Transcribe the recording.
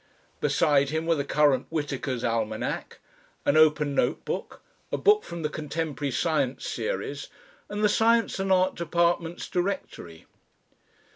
Beside him were the current Whitaker's Almanac, an open note book, a book from the Contemporary Science Series, and the Science and Art Department's Directory.